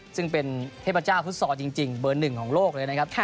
ซึ่งเป็นเทพเจ้าฟุตซอลจริงเบอร์หนึ่งของโลกเลยนะครับ